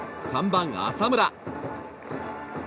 ３番、浅村。